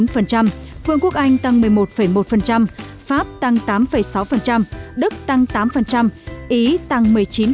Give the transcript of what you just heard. vương quốc anh tăng một mươi một một pháp tăng tám sáu đức tăng tám ý tăng một mươi chín